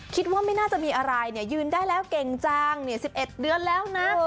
คิดว่าไม่น่าจะมีอะไรเนี่ยยืนได้แล้วเก่งจัง๑๑เดือนแล้วนะ